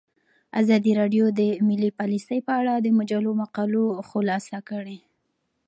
ازادي راډیو د مالي پالیسي په اړه د مجلو مقالو خلاصه کړې.